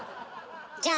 じゃあ